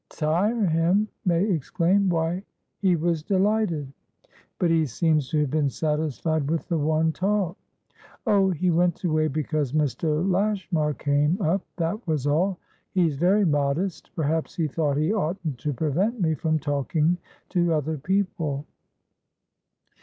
"Tire him?" May exclaimed. "Way, he was delighted!" "But he seems to have been satisfied with the one talk." "Oh, he went away because Mr. Lashmar came up, that was all. He's very modest; perhaps he thought he oughtn't to prevent me from talking to other people."